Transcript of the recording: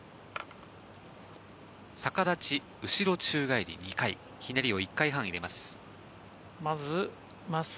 逆立ち後ろ宙返り２回ひねりを１回半入れます。